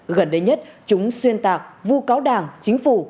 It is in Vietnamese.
gần đây nhất chúng xuyên tạc vu cáo đảng chính phủ